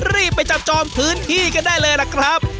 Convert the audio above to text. รีบไปจับจองพื้นที่กันได้เลยล่ะครับ